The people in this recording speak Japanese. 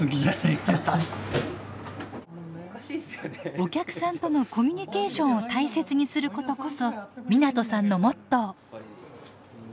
お客さんとのコミュニケーションを大切にすることこそ湊さんのモットー。